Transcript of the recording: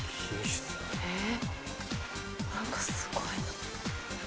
え何かすごいな。